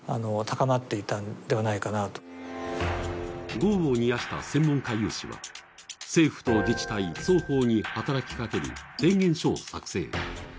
業を煮やした専門家有志は政府と自治体の双方に働きかける提言書を作成。